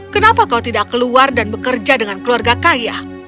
kenapa kau tidak keluar dan bekerja dengan keluarga kaya